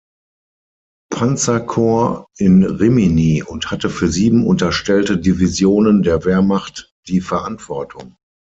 Panzerkorps in Rimini und hatte für sieben unterstellte Divisionen der Wehrmacht die Verantwortung.